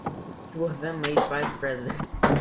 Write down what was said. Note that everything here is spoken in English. He was then made vice president.